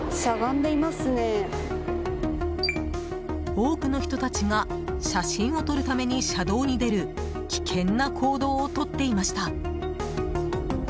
多くの人たちが写真を撮るために車道に出る危険な行動をとっていました。